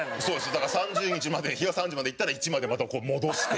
だから３０日までの月は３０までいったら１までまたこう戻して。